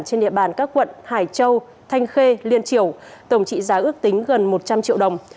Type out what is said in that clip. trên địa bàn các quận hải châu thanh khê liên triều tổng trị giá ước tính gần một trăm linh triệu đồng